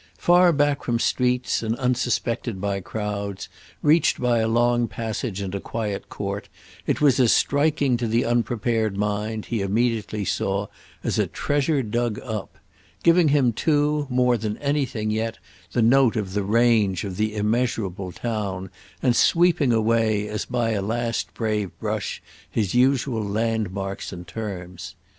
Far back from streets and unsuspected by crowds, reached by a long passage and a quiet court, it was as striking to the unprepared mind, he immediately saw, as a treasure dug up; giving him too, more than anything yet, the note of the range of the immeasurable town and sweeping away, as by a last brave brush, his usual landmarks and terms.